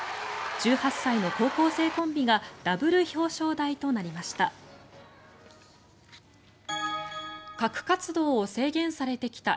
１８歳の高校生コンビがダブル表彰台となりました。